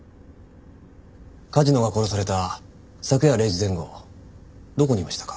梶野が殺された昨夜０時前後どこにいましたか？